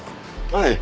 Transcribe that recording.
はい。